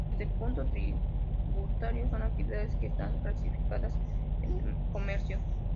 Desde el punto tributario, son actividades que están clasificadas en el comercio.